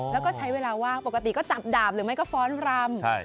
แล้วก็ใช้เวลาว่างปกติก็จับดาบหรือไม่ก็ฟ้อนรำ